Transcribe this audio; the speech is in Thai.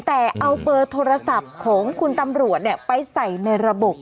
แต่เอาเบอร์โทรศัพท์ของคุณตำรวจไปใส่ในระบบ